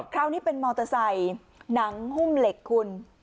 คราวนี้เป็นมอเตอร์ไซค์หนังหุ้มเหล็กคุณ